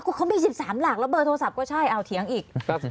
เขามี๑๓หลักแล้วเบอร์โทรศัพท์ก็ใช่เอาเถียงอีก